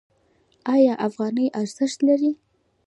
آیا افغانۍ ارزښت لري؟